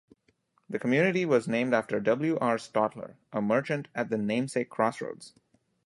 The community was named after W. R. Stotler, a merchant at the namesake crossroads.